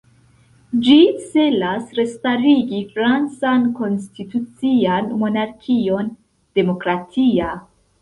Ĝi celas restarigi francan konstitucian monarkion "demokratia".